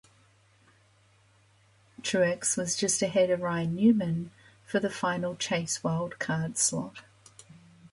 Truex was just ahead of Ryan Newman for the final Chase wildcard slot.